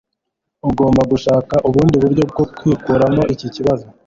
Ugomba gushaka ubundi buryo bwo kwikuramo iki kibazo. .